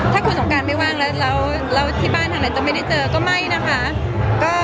ถ้าคุณสงการไม่ว่างแล้วที่บ้านทางไหนจะไม่ได้เจอก็ไม่นะคะ